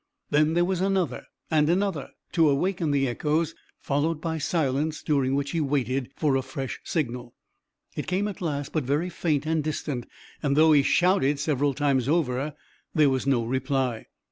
Then there was another, and another, to awaken the echoes, followed by silence, during which he waited for a fresh signal. It came at last, but very faint and distant, and though he shouted several times over, there was no reply.